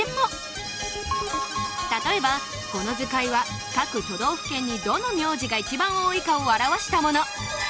例えばこの図解は各都道府県にどの名字が一番多いかを表したもの